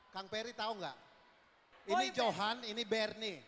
kang peri tau gak ini johan ini bernie